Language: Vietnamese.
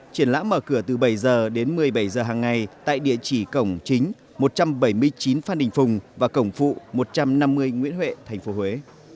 triển lãm mở cửa từ bảy h đến một mươi bảy h hàng ngày tại địa chỉ cổng chính một trăm bảy mươi chín phan đình phùng và cổng phụ một trăm năm mươi nguyễn huệ tp huế